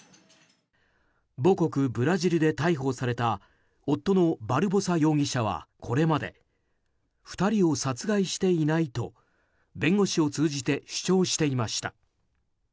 母国ブラジルで逮捕された夫のバルボサ容疑者はこれまで２人を殺害していないと弁護士を通じて主張していました。